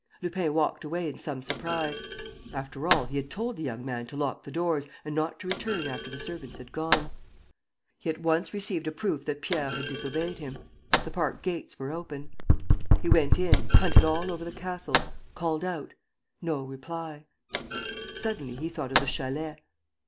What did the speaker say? Lupin walked away in some surprise. After all, he had told the young man to lock the doors and not to return after the servants had gone. He at once received a proof that Pierre had disobeyed him: the park gates were open. He went in, hunted all over the castle, called out. No reply. Suddenly, he thought of the chalet.